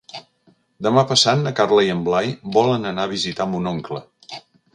Demà passat na Carla i en Blai volen anar a visitar mon oncle.